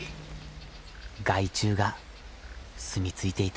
害虫がすみ着いていた。